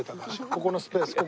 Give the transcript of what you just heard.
ここのスペース。